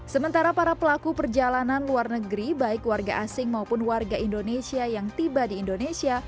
sementara para pelaku perjalanan luar negeri baik warga asing maupun warga indonesia yang tiba di indonesia